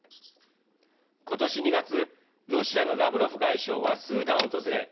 今年２月ロシアのラブロフ外相はスーダンを訪れ